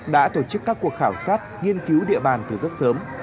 đã tổ chức các cuộc khảo sát nghiên cứu địa bàn từ rất sớm